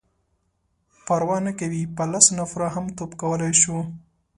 _پروا نه کوي،. په لسو نفرو هم توپ کولای شو.